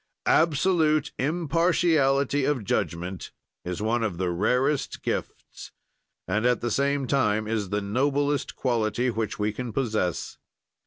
"Absolute impartiality of judgment is one of the rarest gifts and at the same time is the noblest quality which we can possess."